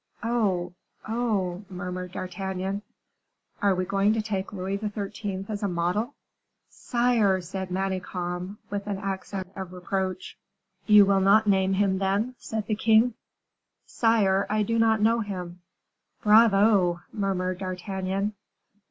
"Oh, oh!" murmured D'Artagnan, "are we going to take Louis XIII. as a model?" "Sire!" said Manicamp, with an accent of reproach. "You will not name him, then?" said the king. "Sire, I do not know him." "Bravo!" murmured D'Artagnan.